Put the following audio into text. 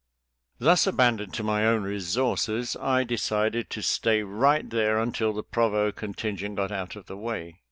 Thus abandoned to my own resources, I de cided to stay right there until the provost con tingent got out of the way.